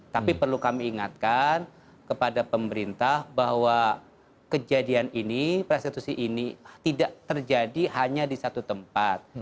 tapi perlu kami ingatkan kepada pemerintah bahwa kejadian ini prostitusi ini tidak terjadi hanya di satu tempat